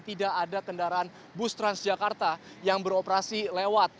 tidak ada kendaraan bus transjakarta yang beroperasi lewat